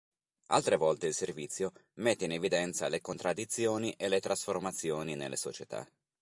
Altre volte il servizio mette in evidenza le contraddizioni e le trasformazioni nelle società.